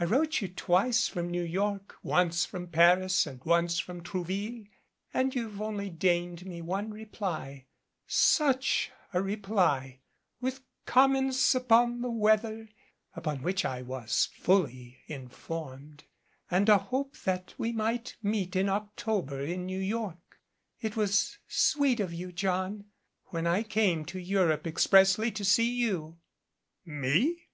I wrote you twice from New York, once from Paris and once from Trouville, and you've only deigned me one re ply such a reply with comments upon the weather (upon which I was fully informed), and a hope that we might meet in October in New York. It was sweet of you, John, when I came to Europe expressly to see you!" "Me?"